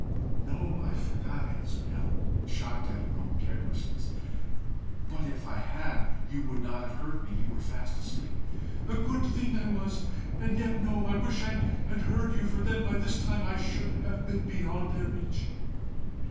"No; I forgot," answered Helen, shocked at her own carelessness. "But if I had, you would not have heard me: you were fast asleep." "A good thing I was! And yet no! I wish I had heard you, for then by this time I should have been beyond their reach."